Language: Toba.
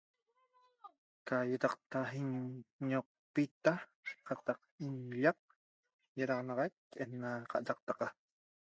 Ca ietaqta ñocpita ietaqta inñac ena cadaqtaca